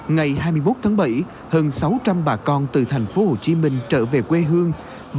ngày hai mươi một tháng bảy hơn sáu trăm linh bà con từ thành phố hồ chí minh trở về quê hương